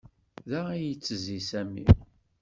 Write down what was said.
Da ay yettezzi Sami.